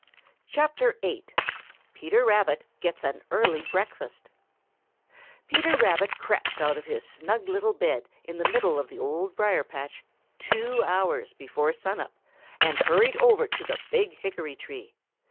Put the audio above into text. VIII. PETER RABBIT GETS AN EARLY BREAKFAST |PETER RABBIT crept out of his snug little bed in the middle of the Old Briar patch two hours before sun up and hurried over to the big hickory tree.